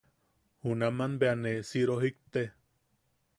Junaman bea ne si rojikte.